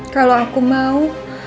kalau aku mau